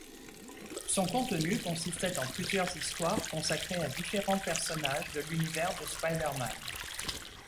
Son contenu consistait en plusieurs histoires consacrées à différents personnages de l'univers de Spider-Man.